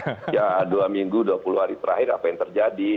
ya dua minggu dua puluh hari terakhir apa yang terjadi